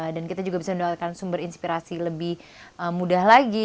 dan kita juga bisa mendapatkan sumber inspirasi lebih mudah lagi